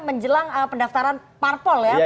menjelang pendaftaran parpol ya